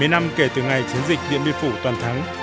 bảy mươi năm kể từ ngày chiến dịch điện biên phủ toàn thắng